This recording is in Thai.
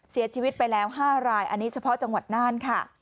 เสียชีวิตไปแล้ว๕รายอันนี้เฉพาะจังหวัดน่านค่ะ